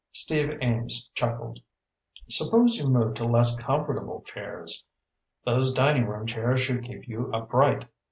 Steve Ames chuckled. "Suppose you move to less comfortable chairs. Those dining room chairs should keep you upright.